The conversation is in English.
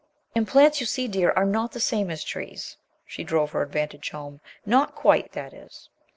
"And plants, you see, dear, are not the same as trees," she drove her advantage home, "not quite, that is."